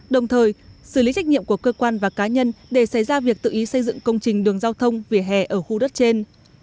đồng thời xử lý trách nhiệm của cơ quan và cá nhân để xảy ra việc tự ý xây dựng công trình đường giao thông vỉa hè ở khu đất trên